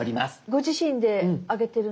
ご自身であげてるんですか？